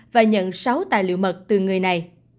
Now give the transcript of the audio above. và nhận sáu tài liệu mật từ người này